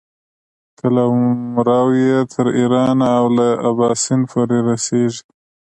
قلمرو یې تر ایرانه او له اباسین پورې رسېږي.